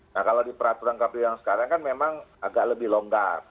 nah kalau di peraturan kpu yang sekarang kan memang agak lebih longgar